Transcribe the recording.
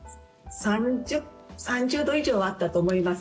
３０度以上はあったと思います